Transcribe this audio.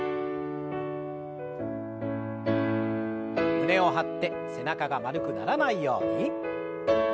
胸を張って背中が丸くならないように。